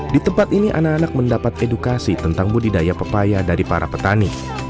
di tempat ini anak anak mendapat edukasi tentang budidaya pepaya dari para petani